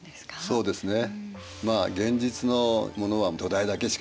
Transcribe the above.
そうですね。